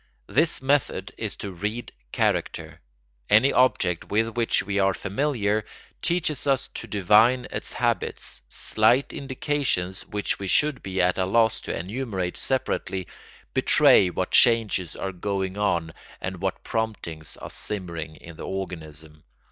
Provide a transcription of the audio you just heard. This method is to read character. Any object with which we are familiar teaches us to divine its habits; slight indications, which we should be at a loss to enumerate separately, betray what changes are going on and what promptings are simmering in the organism.